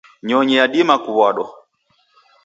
Nyonyi yadima kuwadwa